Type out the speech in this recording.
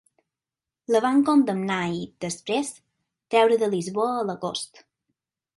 La van condemnar i, després, treure de Lisboa a l'agost.